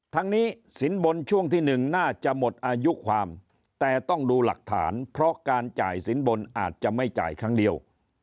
ทั้งนี้สินบนช่วงที่๑น่าจะหมดอายุความแต่ต้องดูหลักฐานเพราะการจ่ายสินบนอาจจะไม่จ่ายครั้งเดียว